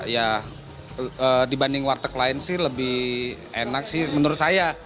ya dibanding warteg lain sih lebih enak sih menurut saya